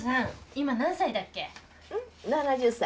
今何歳だっけ？